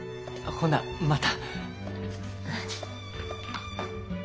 ほなまた。